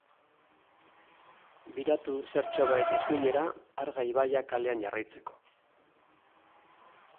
Biratu zertxobait eskuinera Arga Ibaia kalean jarraitzeko.